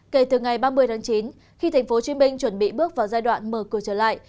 kể từ ngày ba mươi tháng chín khi tp hcm chuẩn bị bước vào giai đoạn mở cửa trở lại